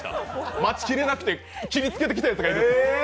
待ちきれなくて切りつけてきたやつがいると。